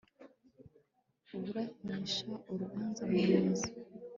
uburanisha urubanza mu mizi